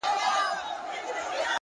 نظم د بریالیتوب خاموش راز دی.!